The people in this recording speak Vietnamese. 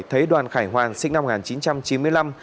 thấy đoàn khải hoàn sinh năm một nghìn chín trăm chín mươi năm